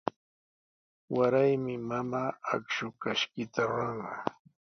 Waraymi mamaa akshu kashkita ruranqa.